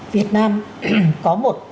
việt nam có một